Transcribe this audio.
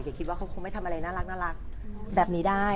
ก็คิดว่าเขาคงไม่ทำอะไรน่ารักแบบนี้ได้